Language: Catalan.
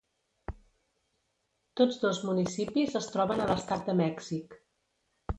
Tots dos municipis es troben a l'Estat de Mèxic.